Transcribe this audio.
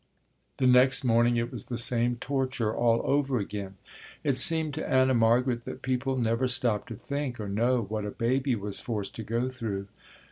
The next morning it was the same torture all over again. It seemed to Anna Margaret that people never stopped to think or know what a baby was forced to go through.